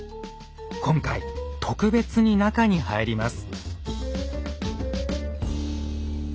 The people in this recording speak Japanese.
今回特別に中に入ります。